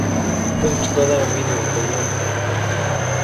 ‒ʼäjtsykoda widuʼu teʼ yomoʼ-.